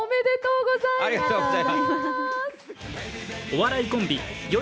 お笑いコンビ、よ